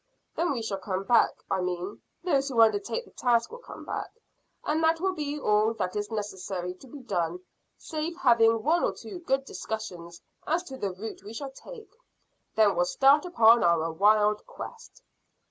Then we shall come back I mean those who undertake the task will come back, and that will be all that is necessary to be done, save having one or two good discussions as to the route we shall take. Then we'll start upon our wild quest."